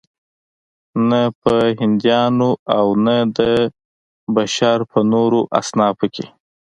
نه په هندیانو او نه د بشر په نورو اصنافو کې.